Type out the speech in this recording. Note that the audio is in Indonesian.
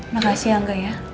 makasih ya angga